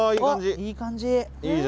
いい感じ。